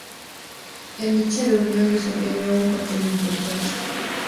En dicha reunión desempeño un papel importante.